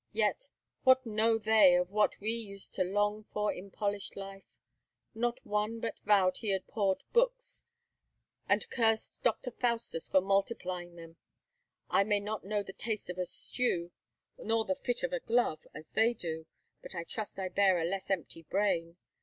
Yet what know they of what we used to long for in polished life! Not one but vowed he abhorred books, and cursed Dr. Faustus for multiplying them. I may not know the taste of a stew, nor the fit of a glove, as they do, but I trust I bear a less empty brain.